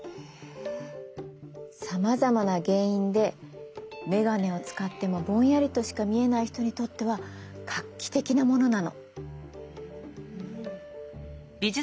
さまざまな原因で眼鏡を使ってもぼんやりとしか見えない人にとっては画期的なものなの。